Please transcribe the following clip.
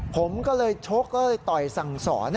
ผมก็เลยชกก็เลยต่อยสั่งสอน